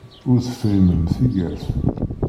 Ur tefhimem tigert!